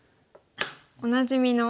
おなじみの。